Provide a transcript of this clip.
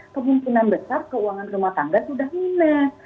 kemungkinan besar keuangan rumah tangga sudah milih